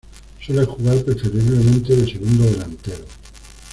Suele jugar preferiblemente de segundo delantero.